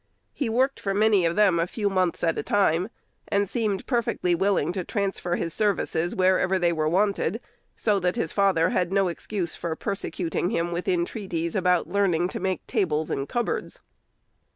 He worked for many of them a few months at a time, and seemed perfectly willing to transfer his services wherever they were wanted, so that his father had no excuse for persecuting him with entreaties about learning to make tables and cupboards.